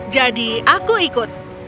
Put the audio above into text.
jadi aku ikut